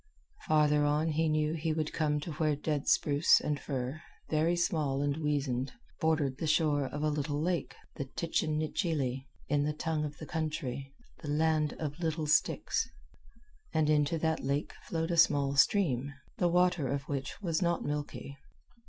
Farther on he knew he would come to where dead spruce and fir, very small and weazened, bordered the shore of a little lake, the titchin nichilie, in the tongue of the country, the "land of little sticks." And into that lake flowed a small stream, the water of which was not milky.